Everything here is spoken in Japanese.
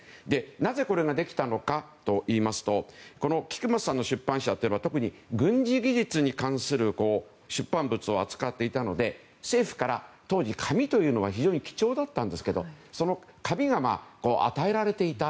なぜ、これができたのかといいますとこの菊松さんの出版社は特に、軍事技術に関する出版物を扱っていたので政府から、当時紙というのは非常に貴重だったんですけどその紙が与えられていた。